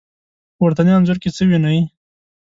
په پورتني انځور کې څه وينئ؟